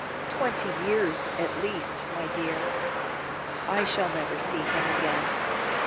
"Twenty years at least, my dear. I shall never see him again.